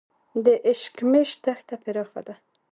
د اشکمش دښته پراخه ده